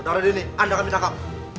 dari dini anda kami tangkap